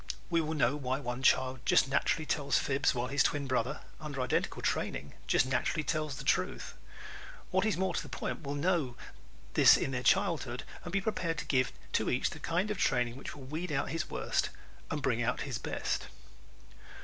We will know why one child just naturally tells fibs while his twin brother, under identical training, just naturally tells the truth. What is more to the point we will know this in their childhood and be prepared to give to each the kind of training which will weed out his worst and bring out his best.